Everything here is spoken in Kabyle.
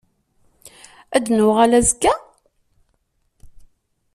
Ad n-uɣalen azekka?